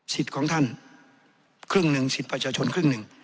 ของท่านครึ่งหนึ่งสิทธิ์ประชาชนครึ่งหนึ่ง